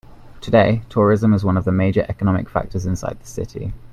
Today, tourism is one of the major economic factors inside the city.